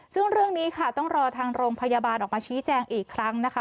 ซึ่งเรื่องนี้ค่ะต้องรอทางโรงพยาบาลออกมาชี้แจงอีกครั้งนะคะ